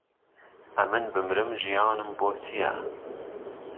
ئهمن بمرم ژیانم بۆ چييه